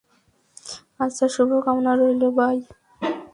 আচ্ছা, শুভ কামনা রইলো, বাই।